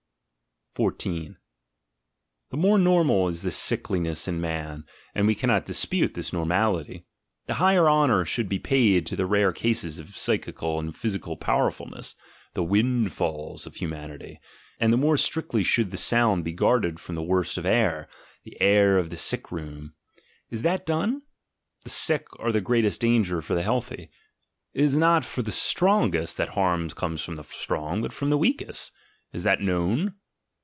14. The more normal is this sickliness in man — and we cannot dispute this normality — the higher honour should be paid to the rare cases of psychical and physical pow erfulness, the windfalls of humanity, and the more strictly should the sound be guarded from that worst of air, the air of the sick room. Is that done? The sick are the greatest danger for the healthy; it is not from the strong est that harm comes to the strong, but from the weakest. Is that known?